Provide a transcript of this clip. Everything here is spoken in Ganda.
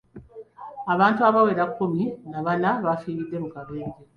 Abantu abawera kkumi na bana bafiiridde mu kabenje.